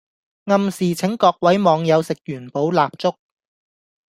暗示請各位網友食元寶蠟燭